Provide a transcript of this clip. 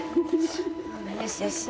よしよし。